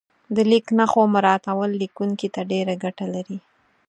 د لیک نښو مراعاتول لیکونکي ته ډېره ګټه لري.